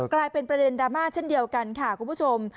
กลายเป็นประเด็นดราม่าเช่นเดียวกันค่ะคุณผู้ชม